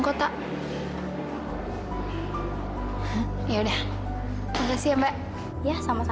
hai ya udah kasih mbak ya sama sama